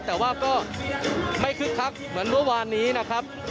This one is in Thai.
แต่ว่าก็ไม่คึกครับเหมือนวันวานครับ